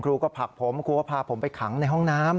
ผลักผมครูก็พาผมไปขังในห้องน้ำ